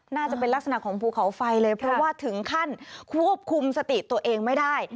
น่าจะเป็นลักษณะของภูเขาไฟเลยเพราะว่าถึงขั้นควบคุมสติตัวเองไม่ได้